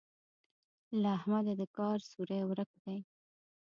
له احمده د کار سوری ورک دی.